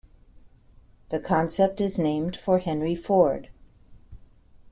The concept is named for Henry Ford.